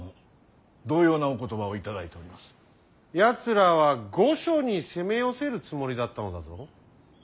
やつらは御所に攻め寄せるつもりだったのだぞ。